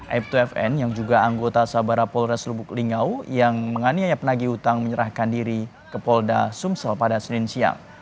aib dua fn yang juga anggota sabara polres lubuk lingau yang menganiaya penagi utang menyerahkan diri ke polda sumsel pada senin siang